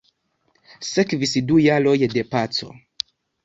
Sekvis du jaroj de paco.